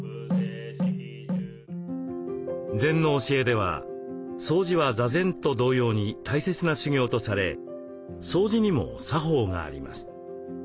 禅の教えでは掃除は座禅と同様に大切な修行とされ掃除にも作法があります。